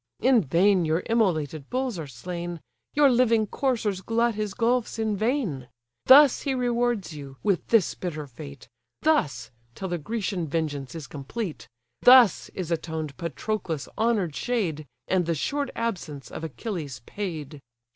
In vain your immolated bulls are slain, Your living coursers glut his gulfs in vain! Thus he rewards you, with this bitter fate; Thus, till the Grecian vengeance is complete: Thus is atoned Patroclus' honour'd shade, And the short absence of Achilles paid."